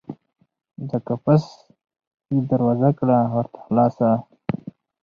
د قفس یې دروازه کړه ورته خلاصه